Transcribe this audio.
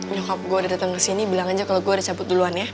nyokap gue datang ke sini bilang aja kalau gue ada cabut